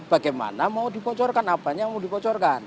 bagaimana mau dipocorkan apanya mau dipocorkan